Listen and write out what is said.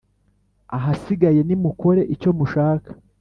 ahasigaye nimukore icyo mushaka.»